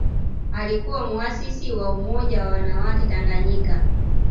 Alikuwa muasisi wa Umoja wa wanawake Tanganyika